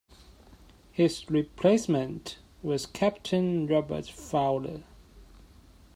His replacement was Captain Robert Fowler.